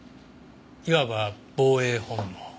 いわば防衛本能。